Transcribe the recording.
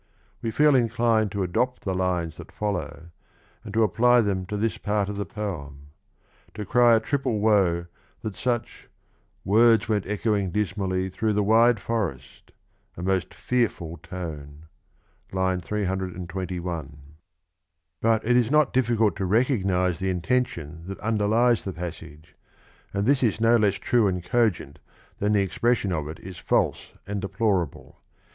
We feel inclined to adopt the lines that follow and to apply them to this part of the poem : to cry a triple woe that such words went echoing dismally Through the wide forest — a most fearful tone. (I\'. 321) But it is not difficult to recognise the intention that under with a true nieanlDi;. lies the passage; and this is no less true and cogent than the expression of it is false and deplorable.